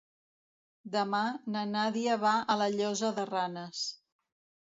Demà na Nàdia va a la Llosa de Ranes.